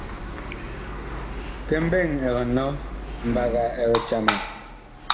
Ki mbeŋ ɛg nɔ, mbaga ɛg.